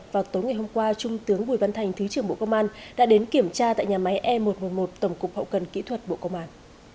vào tối ngày hôm qua trung tướng bùi văn thành thứ trưởng bộ công an đã đến kiểm tra tại nhà máy e một trăm một mươi một tổng cục hậu cần kỹ thuật bộ công an